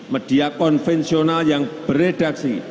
media konvensional yang beredaksi